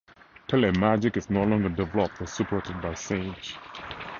TeleMagic is no longer developed or supported by Sage.